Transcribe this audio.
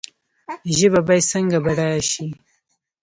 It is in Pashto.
ژبه باید څنګه بډایه شي؟